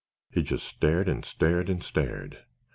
He just stared and stared and stared.